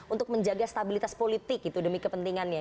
untuk menjaga stabilitas politik itu demi kepentingannya